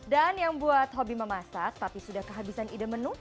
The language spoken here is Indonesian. dan yang buat hobi memasak tapi sudah kehabisan ide menu